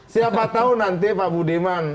siapa tahu nanti pak budiman